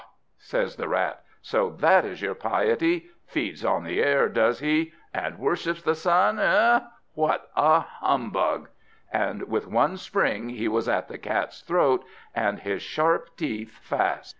says the Rat, "so that is your piety! Feeds on the air, does he! and worships the sun eh? What a humbug!" And with one spring he was at the Cat's throat, and his sharp teeth fast.